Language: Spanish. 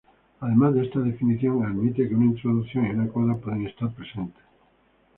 Además, esta definición admite que una introducción y una coda pueden estar presentes.